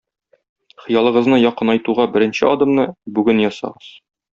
Хыялыгызны якынайтуга беренче адымны бүген ясагыз!